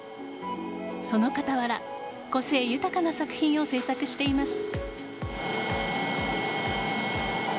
その傍ら個性豊かな作品を制作しています。